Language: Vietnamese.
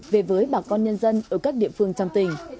về với bà con nhân dân ở các địa phương trong tỉnh